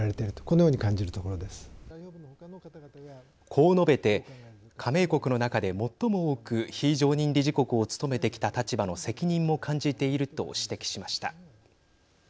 こう述べて加盟国の中で最も多く非常任理事国を務めてきた立場の責任も感じていると指摘しました。